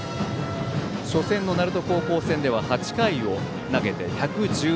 初戦の鳴門高校戦では８回を投げて１１３球。